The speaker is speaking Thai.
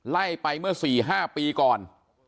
ไล่ไปเมื่อ๔๕ปีก่อน